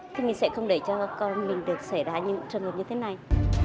thì mình sẽ không để cho con mình được xảy ra những trường hợp như thế này